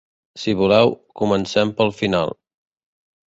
Si voleu, comencem pel final.